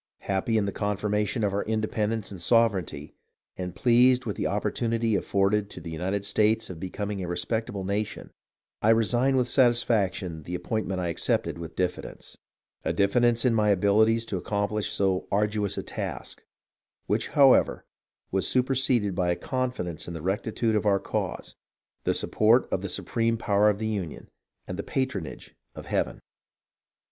Happy in the confirmation of our independence and sover eignty, and pleased with the opportunity afforded to the United States of becoming a respectable nation, I resign with satisfaction the appointment I accepted with diffi dence ; a diffidence in my abilities to accomplish so arduous a task, which, however, was superseded by a confidence in the rectitude of our cause, the support of the supreme power of the Union, and the patronage of Heaven.